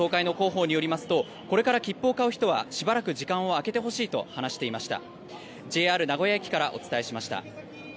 ＪＲ東海の広報によりますとこれから切符を買う人はしばらく時間を空けてほしいと話していました。